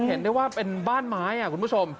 เห็นได้ว่าเป็นบ้านไม้คุณผู้ชม